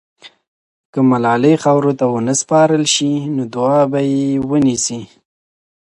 که ملالۍ خاورو ته ونه سپارل سي، نو دعا به یې ونسي.